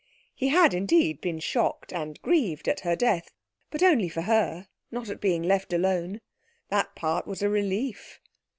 He had indeed been shocked and grieved at her death, but only for her not at being left alone. That part, was a relief.